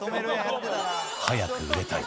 早く売れたい。